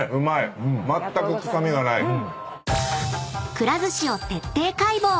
［くら寿司を徹底解剖！